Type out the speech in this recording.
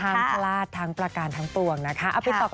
ทางพลาดทางประการทางตวงนะคะ